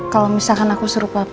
kalau misalkan aku suruh papa